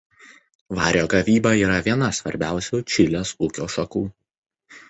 Vario gavyba yra viena svarbiausių Čilės ūkio šakų.